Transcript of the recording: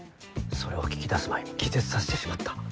それを聞き出す前に気絶させてしまった。